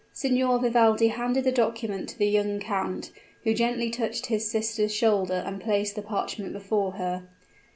Signor Vivaldi handed the document to the young count, who gently touched his sister's shoulder and placed the parchment before her.